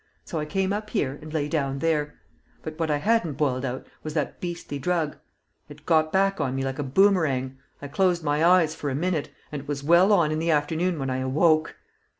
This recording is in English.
So I came up here and lay down there. But what I hadn't boiled out was that beastly drug. It got back on me like a boomerang. I closed my eyes for a minute and it was well on in the afternoon when I awoke!"